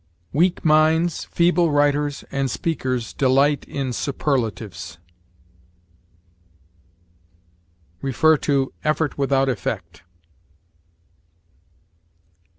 "Weak minds, feeble writers and speakers delight in superlatives." See EFFORT WITHOUT EFFECT.